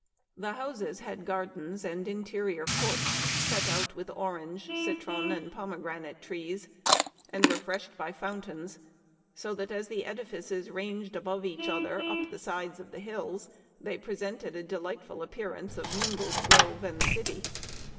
The houses had gardens and interior courts set out with orange, citron, and pomegranate trees, and refreshed by fountains, so that as the edifices ranged above each other up the sides of the hills, they presented a de lightful appearance of mingled grove and city.